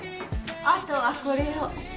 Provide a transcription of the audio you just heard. あとはこれを。